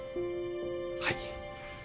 はい。